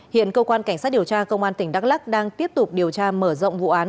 hiện cơ quan cảnh sát điều tra công an tỉnh đắk lắc đang tiếp tục điều tra mở rộng vụ án